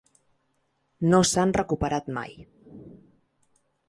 No s’han recuperat mai.